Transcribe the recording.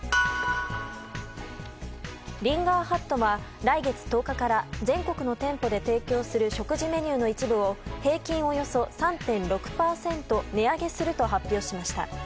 リンガーハットは来月１０日から全国の店舗で提供する食事メニューの一部を平均およそ３．６％値上げすると発表しました。